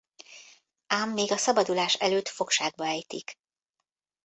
Ám még a szabadulás előtt fogságba ejtik.